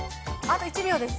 あと１秒です。